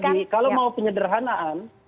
dan satu lagi kalau mau penyederhanaan